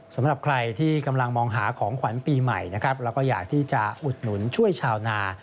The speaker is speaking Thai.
สำหรับใครที่กำลังมองหาของขวัญปีใหม่นะครับแล้วก็อยากที่จะอุดหนุนช่วยชาวนา